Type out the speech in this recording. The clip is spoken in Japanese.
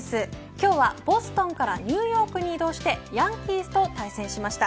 今日はボストンからニューヨークに移動してヤンキースと対戦しました。